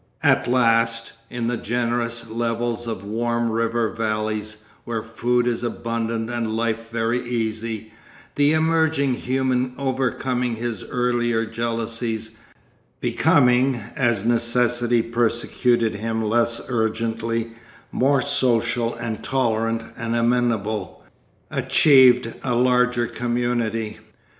At last, in the generous levels of warm river valleys, where food is abundant and life very easy, the emerging human overcoming his earlier jealousies, becoming, as necessity persecuted him less urgently, more social and tolerant and amenable, achieved a larger community.